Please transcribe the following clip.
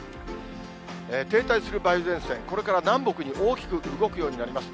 停滞する梅雨前線、これから南部に大きく動くようになります。